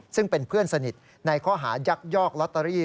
ซึ่งเป็นเพื่อนสนิทในข้อหายักยอกลอตเตอรี่